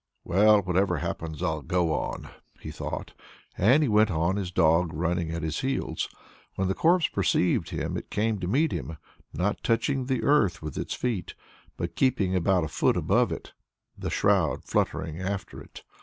"Well, whatever happens, I'll go on," he thought; and on he went, his dog running at his heels. When the corpse perceived him, it came to meet him; not touching the earth with its feet, but keeping about a foot above it the shroud fluttering after it.